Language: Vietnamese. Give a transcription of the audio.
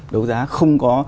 đấu giá không có